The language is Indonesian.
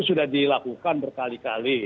sudah dilakukan berkali kali